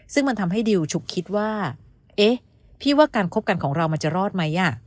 ซึ่งมันทำให้ดิวฉุกคิดว่าเอ๊ะพี่ว่าการคบกันของเรามันจะรอดไหม